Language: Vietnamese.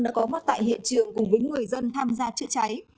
đã có mặt tại hiện trường cùng với người dân tham gia chữa cháy